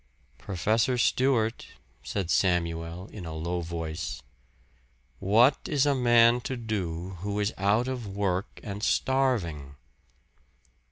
"Professor Stewart," said Samuel in a low voice, "what is a man to do who is out of work and starving?"